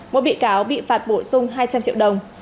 một bị cáo bị phạt bổ sung hai trăm linh triệu đồng